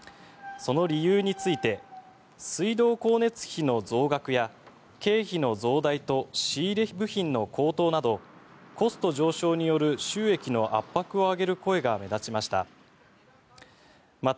その理由について水道光熱費の増額や経費の増大と仕入れ部品の高騰などコスト上昇による収益の圧迫を挙げる声が目立ちました。